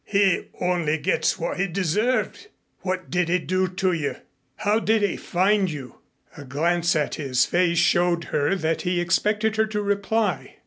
"He only gets what he deserved. What did he do to you? How did he find you?" A glance at his face showed her that he expected her to reply.